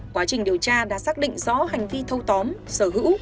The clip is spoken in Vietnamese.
quá trình điều tra đã xác định rõ hành vi thâu tóm sở hữu